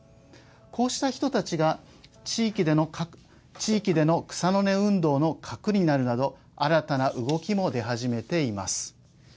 こうした人たちが地域での草の根運動の核になるなど新たな動きも出始めています。